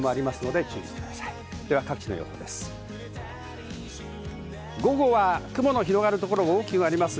では各地の予報です。